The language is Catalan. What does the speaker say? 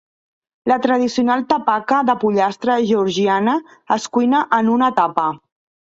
La tradicional tapaka de pollastre georgiana es cuina en una tapa.